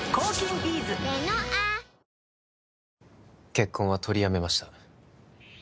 結婚は取りやめました